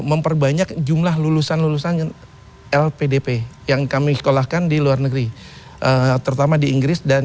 memperbanyak jumlah lulusan lulusan lpdp yang kami sekolahkan di luar negeri terutama di inggris dan